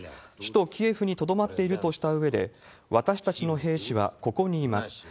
首都キエフにとどまっているとしたうえで、私たちの兵士はここにいます。